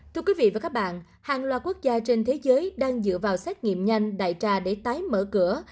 thưa quý vị và các bạn hàng loạt quốc gia trên thế giới đang dựa vào xét nghiệm nhanh đại trà để tái mở cửa